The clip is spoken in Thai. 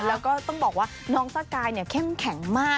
แล้วก็ต้องบอกว่าน้องสกายเข้มแข็งมาก